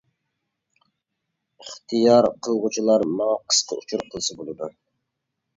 ئىختىيار قىلغۇچىلار ماڭا قىسقا ئۇچۇر قىلسا بولىدۇ.